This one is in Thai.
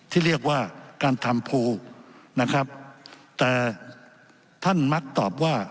ที่เรียกว่าการทำภูนะครับแต่ท่านมักตอบว่า